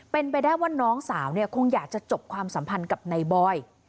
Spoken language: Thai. เป็นไปได้ว่าน้องสาวเนี่ยคงอยากจะจบความสัมพันธ์กับนายบอย